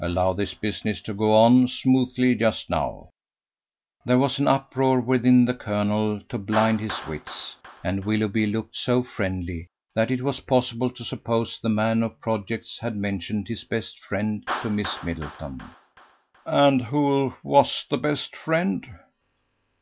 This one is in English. Allow this business to go on smoothly just now." There was an uproar within the colonel to blind his wits, and Willoughby looked so friendly that it was possible to suppose the man of projects had mentioned his best friend to Miss Middleton. And who was the best friend?